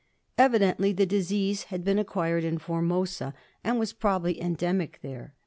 Evidently the disease had been acquired in Formosa, and was probably endemic there.